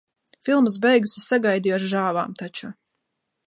Filmas beigas es sagaidīju ar žāvām taču.